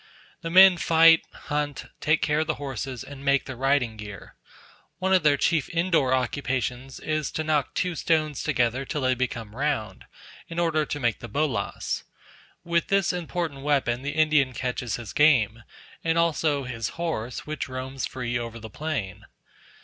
The men fight, hunt, take care of the horses, and make the riding gear. One of their chief indoor occupations is to knock two stones together till they become round, in order to make the bolas. With this important weapon the Indian catches his game, and also his horse, which roams free over the plain.